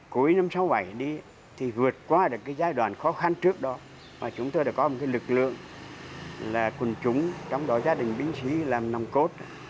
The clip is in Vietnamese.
cuối năm một nghìn chín trăm sáu mươi bảy đi thì vượt qua được cái giai đoạn khó khăn trước đó mà chúng tôi đã có một cái lực lượng là quần chúng trong đó gia đình binh sĩ làm nồng cốt